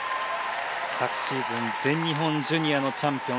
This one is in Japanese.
昨シーズン全日本ジュニアのチャンピオン。